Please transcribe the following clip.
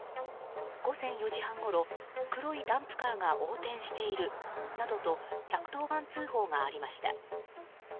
午前４時半ごろ黒いダンプカーが横転しているなどと１１０番通報がありました。